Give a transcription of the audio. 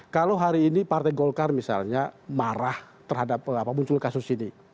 kalau hari ini partai golkar misalnya marah terhadap muncul kasus ini